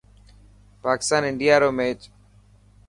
پاڪستان انڊيا رو ميچ